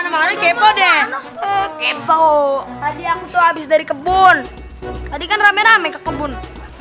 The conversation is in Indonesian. dari mana sih kepo deh kepo habis dari kebun tadi kan rame rame ke kebun